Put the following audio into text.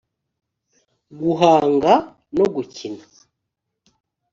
guhanga no gukina